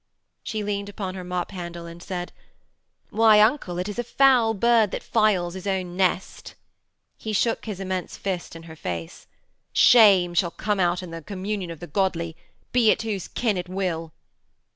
She leaned upon her mop handle and said: 'Why, uncle, it is a foul bird that 'files his own nest.' He shook his immense fist in her face. 'Shame shall out in the communion of the godly, be it whose kin it will.'